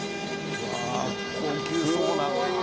わあ高級そうな。